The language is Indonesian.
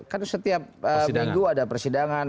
kan setiap minggu ada persidangan